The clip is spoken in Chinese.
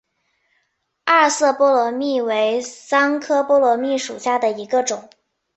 二色波罗蜜为桑科波罗蜜属下的一个种。